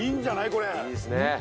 これいいですね